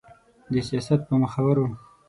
د سياست په مخورو